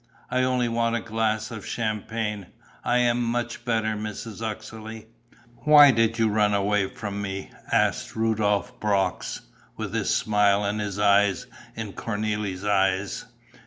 I only want a glass of champagne. I am much better, Mrs. Uxeley." "Why did you run away from me?" asked Rudolph Brox, with his smile and his eyes in Cornélie's eyes.